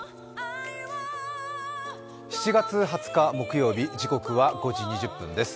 ７月２０日木曜日、時刻は５時２０分です